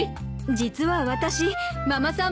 実は私ママさん